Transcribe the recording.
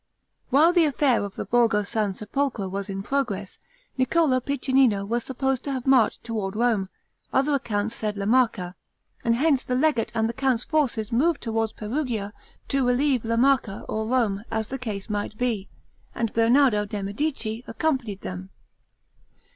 While the affair of the Borgo San Sepolcro was in progress, Niccolo Piccinino was supposed to have marched toward Rome; other accounts said La Marca, and hence the legate and the count's forces moved toward Perugia to relieve La Marca or Rome, as the case might be, and Bernardo de Medici accompanied them.